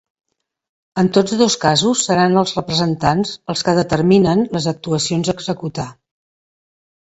En tots dos casos seran els representants els que determinen les actuacions a executar.